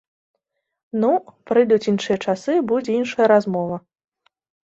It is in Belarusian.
Ну, прыйдуць іншыя часы, будзе іншая размова.